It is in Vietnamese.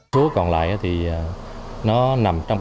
số còn lại thì nó nằm trong